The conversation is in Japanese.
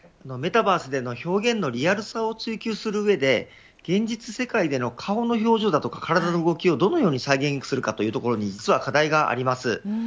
メタバースでの表現のリアルさを追求する上で現実世界での顔の表情だとか体の動きをどのように再現するかというところに課題があります。